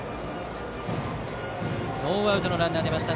ノーアウトのランナーが出ました。